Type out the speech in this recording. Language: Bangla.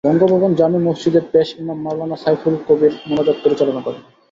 বঙ্গভবন জামে মসজিদের পেশ ইমাম মাওলানা সাইফুল কবির মোনাজাত পরিচালনা করেন।